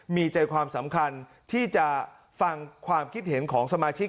มีใจความสำคัญที่จะฟังความคิดเห็นของสมาชิก